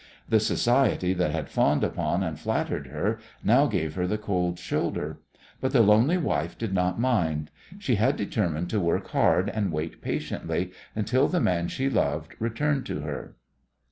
The society that had fawned upon and flattered her now gave her the cold shoulder. But the lonely wife did not mind. She had determined to work hard and wait patiently until the man she loved returned to her.